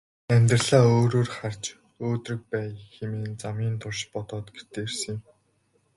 Амьдралаа өөрөөр харж өөдрөг байя хэмээн замын турш бодоод гэртээ ирсэн юм.